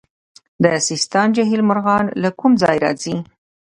د سیستان جهیل مرغان له کوم ځای راځي؟